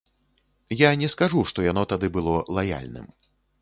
Я не скажу, што яно тады было лаяльным.